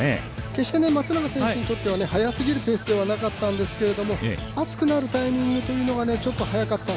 決して松永選手にとっては速すぎるペースではなかったんですけれども暑くなるタイミングというのがちょっと早かった。